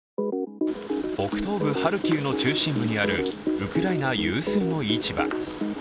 北東部ハルキウの中心部にあるウクライナ有数の市場。